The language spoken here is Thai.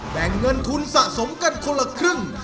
แบ่งเงินทุนสะสมกันคนละครึ่ง